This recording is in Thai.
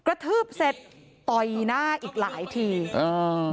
ทืบเสร็จต่อยหน้าอีกหลายทีอ่า